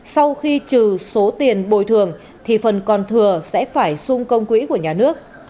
sau khi trừ số tiền bồi thường thì phần còn thừa sẽ phải sung công quỹ của nhà nước